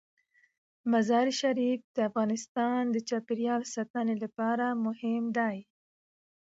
مزارشریف د افغانستان د چاپیریال ساتنې لپاره مهم دي.